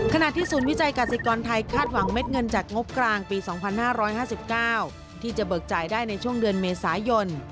ขณะที่ศูนย์วิจัยกาศิกรไทยคาดหวังเม็ดเงินจากงบกลางปี๒๕๕๙ที่จะเบิกจ่ายได้ในช่วงเดือนเมษายน